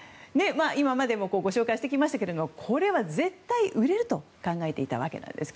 今までもご紹介してきましたけどこれは絶対売れると考えていたわけなんです。